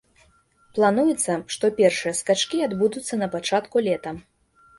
Плануецца, што першыя скачкі адбудуцца на пачатку лета.